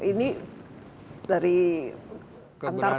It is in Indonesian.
multinama harus ada kolaborasi